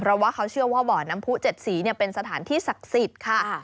เพราะว่าเขาเชื่อว่าบ่อน้ำผู้เจ็ดสีเนี่ยเป็นสถานที่ศักดิ์สิตค่ะ